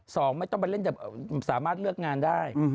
สองไม่ต้องไปเล่นแต่สามารถเลือกงานได้